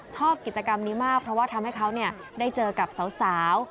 ชอบกิจกรรมนี้มากเพราะว่าทำให้เขาได้เจอกับสาว